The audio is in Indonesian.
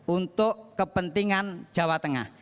untuk kepentingan jawa tengah